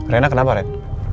rena kenapa ren